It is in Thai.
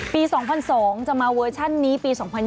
๒๐๐๒จะมาเวอร์ชันนี้ปี๒๐๒๐